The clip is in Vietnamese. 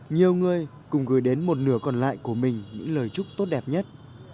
nhiều người cùng gửi đến một nửa còn lại của mình những lời chúc tốt đẹp nhất